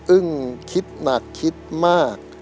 อึ้งคิดหนักคิดมาก